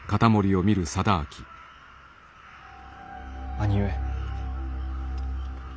兄上。